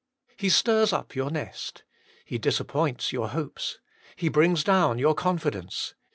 He stirs up your nest. He disappoints your hopes. He brings down your confidence.